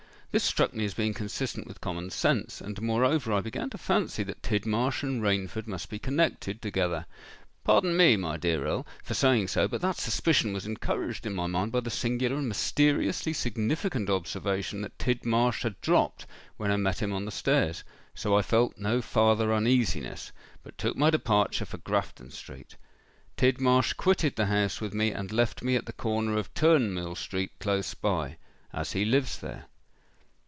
This struck me as being consistent with common sense; and moreover I began to fancy that Tidmarsh and Rainford must be connected together—pardon me, my dear Earl, for saying so: and that suspicion was encouraged in my mind by the singular and mysteriously significant observation that Tidmarsh had dropped when I met him on the stairs. So I felt no farther uneasiness; but took my departure for Grafton Street. Tidmarsh quitted the house with me, and left me at the corner of Turnmill Street close by—as he lives there."